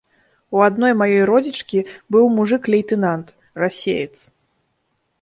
У адной маёй родзічкі быў мужык лейтэнант, расеец.